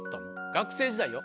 学生時代よ？